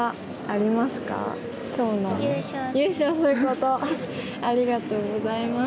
ありがとうございます。